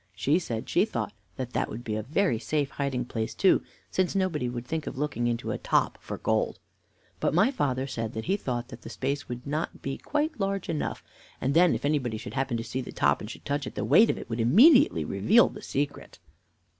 She said she thought that that would be a very safe hiding place, too, since nobody would think of looking into a top for gold. But my father said that he thought that the space would not be quite large enough, and then if anybody should happen to see the top, and should touch it, the weight of it would immediately reveal the secret.